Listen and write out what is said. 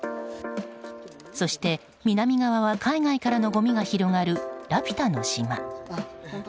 そして南側は、海外からのごみが広がるラピュタの島。